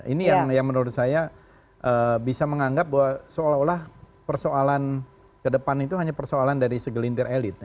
ini yang menurut saya bisa menganggap bahwa seolah olah persoalan ke depan itu hanya persoalan dari segelintir elit